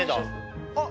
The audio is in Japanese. あっ！